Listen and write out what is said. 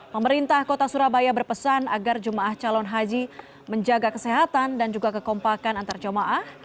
pemerintah kota surabaya berpesan agar jemaah calon haji menjaga kesehatan dan juga kekompakan antar jemaah